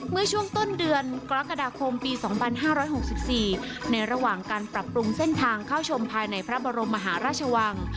เมื่อช่วงต้นเดือนกรกฎาคมปี๒๕๖๔ในระหว่างการปรับปรุงเส้นทางเข้าชมภายในพระบรมมหาราชวัง